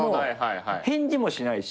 返事もしないし。